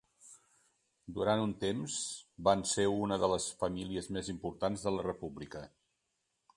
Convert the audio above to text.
Durant un temps van ser una de les famílies més importants de la República.